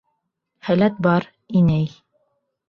Һәләт бар, инәй.